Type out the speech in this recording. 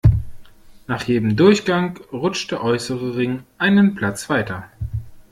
Nach jedem Durchgang rutscht der äußere Ring einen Platz weiter.